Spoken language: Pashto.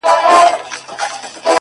ستا تصوير خپله هينداره دى زما گراني _